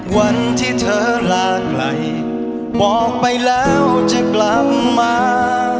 วันที่เธอลาไกลบอกไปแล้วจะกลับมา